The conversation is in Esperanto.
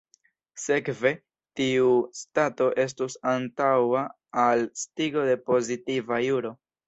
Sekve, tiu stato estus antaŭa al estigo de pozitiva juro.